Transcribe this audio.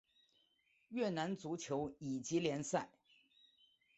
越南足球乙级联赛。